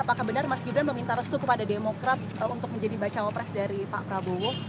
apakah benar mas gibran meminta restu kepada demokrat untuk menjadi bacawa pres dari pak prabowo